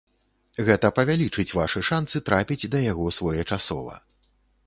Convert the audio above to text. Гэта павялічыць вашы шанцы трапіць да яго своечасова.